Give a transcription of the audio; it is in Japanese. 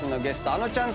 あのちゃん。